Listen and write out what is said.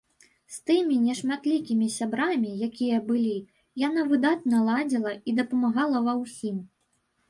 З тымі нешматлікімі сябрамі, якія былі, яна выдатна ладзіла і дапамагала ва ўсім.